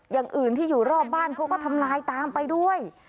อย่างอื่นที่อยู่รอบบ้านเขาก็ทำลายตามไปด้วย